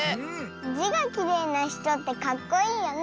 「じ」がきれいなひとってかっこいいよね。